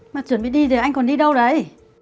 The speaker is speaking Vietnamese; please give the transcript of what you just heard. mà chuẩn bị đi thì anh còn đi đâu đấy